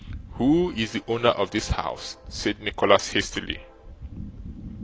'Who is the owner of this house?' said Nicholas, hastily.